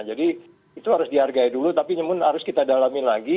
jadi itu harus dihargai dulu tapi harus kita dalami lagi